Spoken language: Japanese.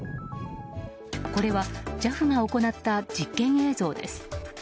これは、ＪＡＦが行った実験映像です。